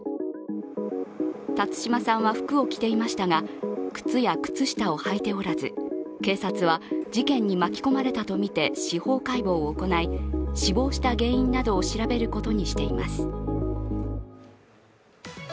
辰島さんは服を着ていましたが、靴や靴下を履いておらず警察は事件に巻き込まれたとみて司法解剖を行い死亡した原因などを調べることにしています。